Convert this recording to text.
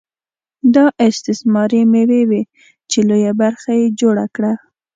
دا استثماري مېوې وې چې لویه برخه یې جوړه کړه